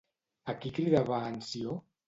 A qui cridava en Ció?